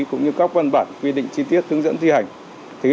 cũng như các văn bản quy định chi tiết hướng dẫn thi hành